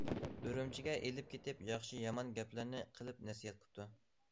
ئۈرۈمچىگە ئېلىپ كېتىپ ياخشى- يامان گەپلەرنى قىلىپ نەسىھەت قىپتۇ.